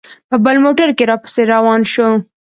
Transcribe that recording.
په بل موټر کې را پسې روان شو.